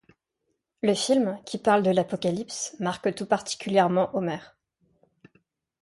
Le film, qui parle de l'apocalypse, marque tout particulièrement Homer.